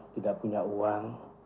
tidak punya uang